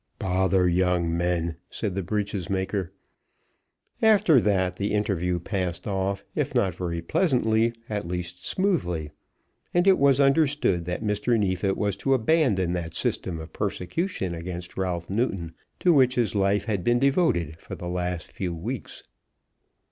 "Bother young men," said the breeches maker. After that the interview passed off, if not very pleasantly, at least smoothly, and it was understood that Mr. Neefit was to abandon that system of persecution against Ralph Newton, to which his life had been devoted for the last few weeks.